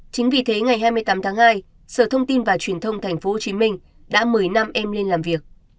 chính vì thế ngày hai mươi tám tháng hai sở thông tin và truyền thông tp hcm đã mời năm em lên làm việc